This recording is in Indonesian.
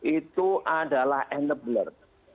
itu adalah enabler